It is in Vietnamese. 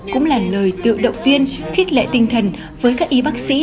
cũng là lời tự động viên khích lệ tinh thần với các y bác sĩ